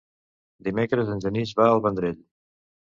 Dimecres en Genís va al Vendrell.